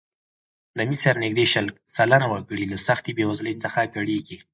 د مصر نږدې شل سلنه وګړي له سختې بېوزلۍ څخه کړېږي.